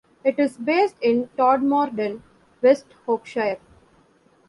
It is based in Todmorden, West Yorkshire.